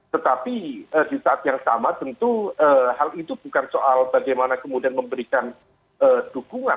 tetapi di saat yang sama tentu hal itu bukan soal bagaimana kemudian memberikan dukungan